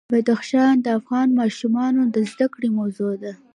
بدخشان د افغان ماشومانو د زده کړې موضوع ده.